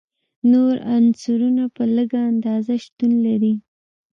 نور عنصرونه په لږه اندازه شتون لري.